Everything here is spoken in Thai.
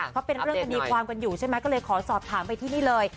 เพราะเป็นเรื่องคดีความกันอยู่ใช่ไหมก็เลยขอสอบถามไปที่นี่เลย